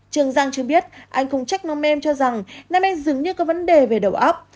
trường giang chưa biết anh không trách nam em cho rằng nam em dường như có vấn đề về đầu óc